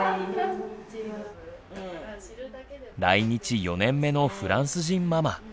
来日４年目のフランス人ママ。